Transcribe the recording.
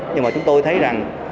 nhưng mà chúng tôi thấy rằng